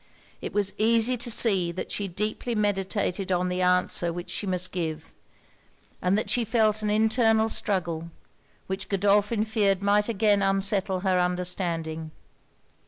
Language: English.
It was easy to see that she deeply meditated on the answer which she must give; and that she felt an internal struggle, which Godolphin feared might again unsettle her understanding.